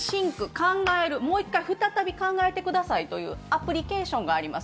考える、再び考えてくださいというアプリケーションがあります。